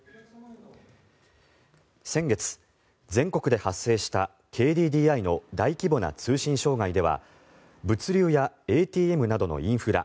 先月、全国で発生したＫＤＤＩの大規模な通信障害では物流やＡＴＭなどのインフラ